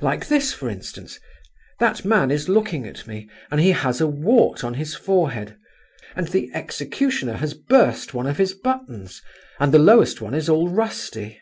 —like this, for instance: 'That man is looking at me, and he has a wart on his forehead! and the executioner has burst one of his buttons, and the lowest one is all rusty!